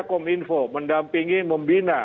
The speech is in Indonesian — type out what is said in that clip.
kominfo mendampingi membina